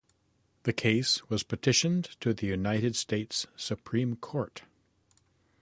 The case was petitioned to the United States Supreme Court.